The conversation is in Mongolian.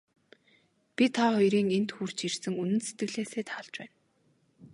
Би та хоёрын энд хүрч ирсэнд үнэн сэтгэлээсээ таалж байна.